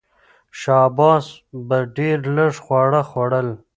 شاه عباس به ډېر لږ خواړه خوړل.